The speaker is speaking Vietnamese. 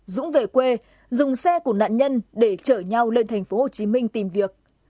dũng về quê dùng xe của nạn nhân để chở nhau lên thành phố hồ chí minh tìm việc